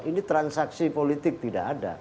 ini transaksi politik tidak ada